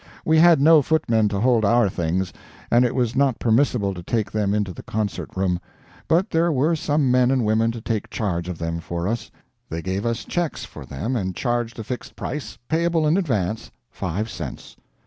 We had no footmen to hold our things, and it was not permissible to take them into the concert room; but there were some men and women to take charge of them for us. They gave us checks for them and charged a fixed price, payable in advance five cents.